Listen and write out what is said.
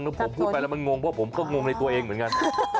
คือผมพูดไปแล้วมันงงเพราะผมก็งงในตัวเองเหมือนกัน